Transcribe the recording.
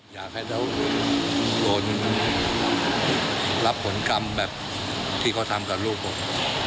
อยากให้เขาโดนรับผลกรรมแบบที่เขาทำกับลูกผม